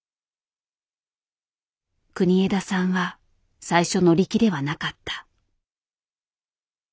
国枝さんは最初乗り気ではなかった。